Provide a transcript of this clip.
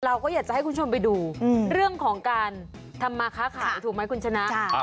เราก็อยากจะให้คุณผู้ชมไปดูเรื่องของการทำมาค้าขายถูกไหมคุณชนะ